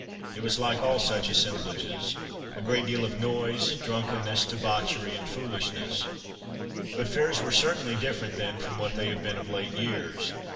It was like all such assemblages a great deal of noise, drunkenness, debauchery, and foolishness. But fairs were certainly different then from what they have been of late years.